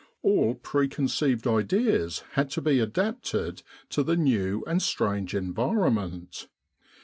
All pre conceived ideas had to be adapted to the new and strange environment.